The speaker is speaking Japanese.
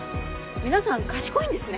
皆さん賢いんですね。